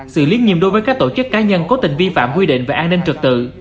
sự liên nhiệm đối với các tổ chức cá nhân cố tình vi phạm quy định về an ninh trực tự